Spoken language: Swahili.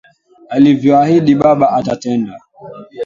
Alivyoahidi baba atatenda.